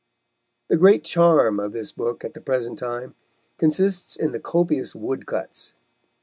The great charm of this book at the present time consists in the copious woodcuts.